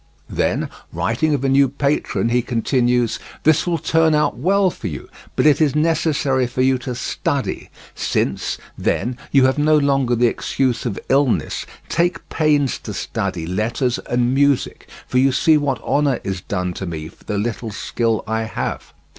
Then, writing of a new patron, he continues: "This will turn out well for you, but it is necessary for you to study; since, then, you have no longer the excuse of illness, take pains to study letters and music, for you see what honour is done to me for the little skill I have.